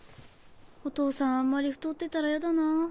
お父さんあんまり太ってたらやだなぁ。